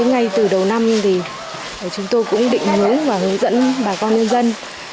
ngay từ đầu năm thì chúng tôi cũng định hướng và hướng dẫn bà con nhân dân